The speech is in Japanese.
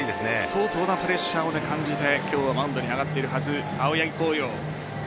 相当なプレッシャーを感じてマウンドに上がっているはず青柳晃洋。